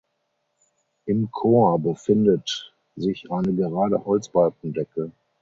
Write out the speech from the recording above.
Im Chor befindet sich eine gerade Holzbalkendecke.